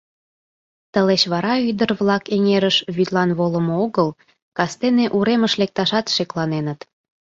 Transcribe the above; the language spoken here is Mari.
Тылеч вара ӱдыр-влак эҥерыш вӱдлан волымо огыл, кастене уремыш лекташат шекланеныт.